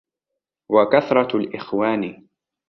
وَكَثْرَةُ الْإِخْوَانِ